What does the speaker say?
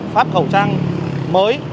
phát khẩu trang mới